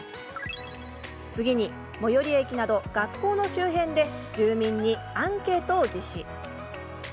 次に最寄り駅など学校の周辺で住民にアンケートを実施。